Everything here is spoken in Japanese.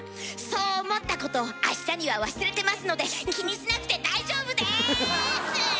そう思ったことをあしたには忘れてますので気にしなくて大丈夫です！